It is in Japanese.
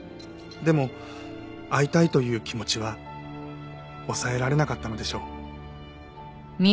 でも会いたいという気持ちは抑えられなかったのでしょう。